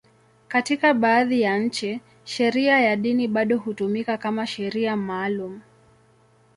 Katika baadhi ya nchi, sheria ya dini bado hutumika kama sheria maalum.